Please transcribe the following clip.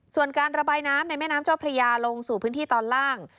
ส่วนการระบายน้ำในแม่น้ำเจ้าพระยาลงสู่พื้นที่ตอนล่าง